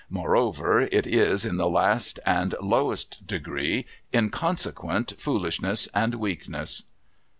Moreover, it is in the last and lowest degree inconsequent foolishness and weakness.'